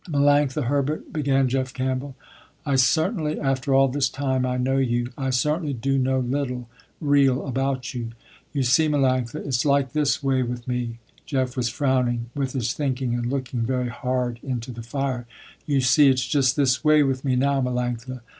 "Melanctha Herbert", began Jeff Campbell, "I certainly after all this time I know you, I certainly do know little, real about you. You see, Melanctha, it's like this way with me"; Jeff was frowning, with his thinking and looking very hard into the fire, "You see it's just this way, with me now, Melanctha.